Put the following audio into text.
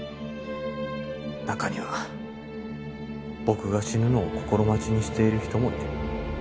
中には僕が死ぬのを心待ちにしている人もいる。